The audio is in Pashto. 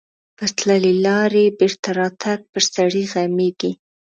پر تللې لارې بېرته راتګ پر سړي غمیږي.